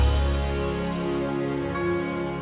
aku mau makan di sini